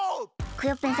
クヨッペン